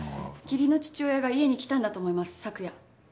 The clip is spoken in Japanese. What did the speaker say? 義理の父親が家に来たんだと思います昨夜。